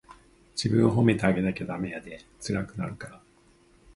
自分を褒めてあげなダメやで、つらくなるから。